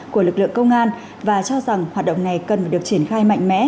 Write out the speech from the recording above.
của lực lượng công an và cho rằng hoạt động này cần phải được triển khai mạnh mẽ